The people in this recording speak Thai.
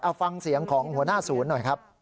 เอาฟังเสียงของหัวหน้าศูนย์หน่อยครับ